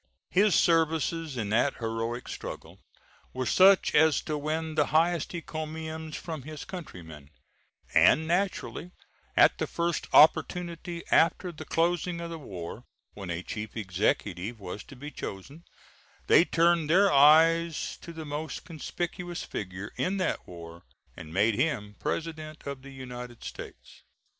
His services in that heroic struggle were such as to win the highest encomiums from his countrymen, and naturally at the first opportunity after the closing of the war when a Chief Executive was to be chosen they turned their eyes to the most conspicuous figure in that war and made him President of the United States.